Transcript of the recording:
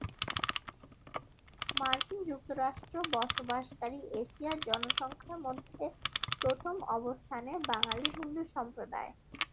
মার্কিন যুক্তরাষ্ট্র বসবাসকারী এশিয়ার জনসংখ্যার মধ্যে প্রথম অবস্থানে বাঙালি হিন্দু সম্প্রদায়।